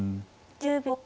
１０秒。